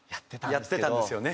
やってたんですよね。